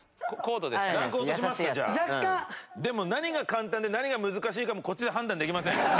でも何が簡単で何が難しいかもこっちで判断できません。